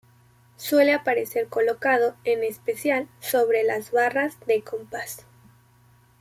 Suele aparecer colocado en especial sobre las barras de compás.